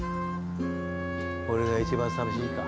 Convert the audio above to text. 俺が一番寂しいか。